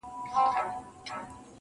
له یوه کلي تر بله، هديرې د ښار پرتې دي,